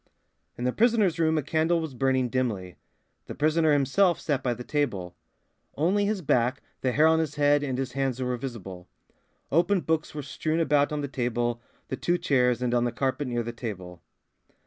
In the prisoner's room a candle was burning dimly. The prisoner himself sat by the table. Only his back, the hair on his head and his hands were visible. Open books were strewn about on the table, the two chairs, and on the carpet near the table.